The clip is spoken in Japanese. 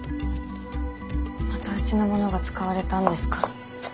またうちのものが使われたんですか。